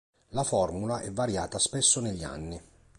La formula è variata spesso negli anni.